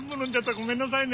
ごめんなさいね。